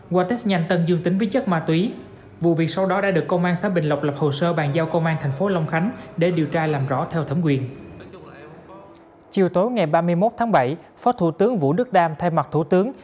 chiều tối ngày ba mươi một tháng bảy phó thủ tướng vũ đức đam thay mặt thủ tướng